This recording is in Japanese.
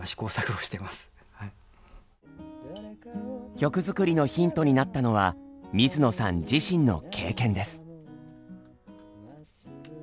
曲作りのヒントになったのは水野さん自身の経験です。